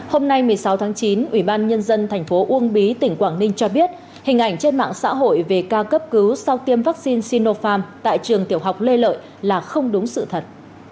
hôm nay một mươi sáu tháng chín ủy ban nhân dân thành phố uông bí tỉnh quảng ninh cho biết hình ảnh trên mạng xã hội về ca cấp cứu sau tiêm vaccine sinopharm tại trường tiểu học lê lợi là không đúng sự thật